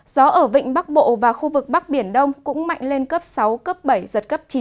gió ở vịnh bắc bộ và khu vực bắc biển đông cũng mạnh lên cấp sáu cấp bảy giật cấp chín